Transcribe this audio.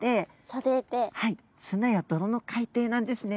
はい砂や泥の海底なんですね。